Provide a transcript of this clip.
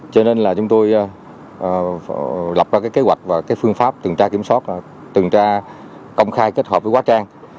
cho nên là chúng tôi lập ra kế hoạch và phương pháp tường tra công khai kết hợp với quá trang